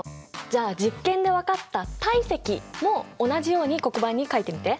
じゃあ実験で分かった体積も同じように黒板に書いてみて。